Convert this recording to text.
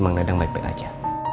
pak dadang baik baik aja